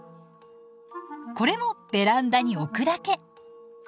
これもベランダに置くだけ。